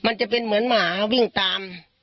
มันจะเป็นเหมือนหมาวิ่งตาม